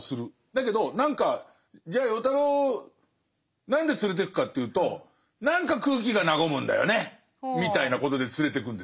だけど何かじゃあ与太郎何で連れてくかというと何か空気が和むんだよねみたいなことで連れてくんですね。